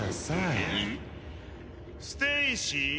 ステイシー？